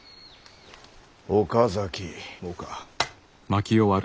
岡崎もか？